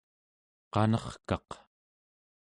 qanerkaq